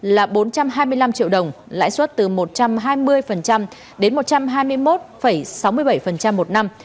là bốn trăm hai mươi năm triệu đồng lãi suất từ một trăm hai mươi đến một trăm hai mươi một sáu mươi bảy một năm